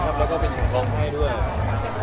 และก็เป็นแชงรมให้ด้วย